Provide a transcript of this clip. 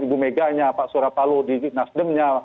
ibu mega nya pak suratalo di nasdem nya